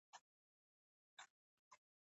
تعلیم یافته میندې د ماشومانو د خوړو وخت منظموي.